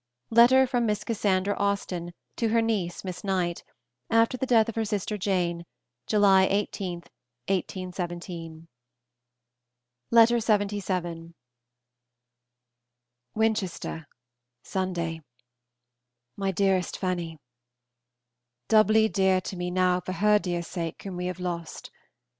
Letters from Miss Cassandra Austen to her niece Miss Knight, after the death of her sister Jane, July 18, 1817. LXXVII. WINCHESTER, Sunday. MY DEAREST FANNY, Doubly dear to me now for her dear sake whom we have lost.